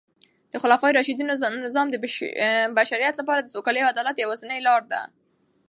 د خلفای راشدینو نظام د بشریت لپاره د سوکالۍ او عدالت یوازینۍ لاره ده.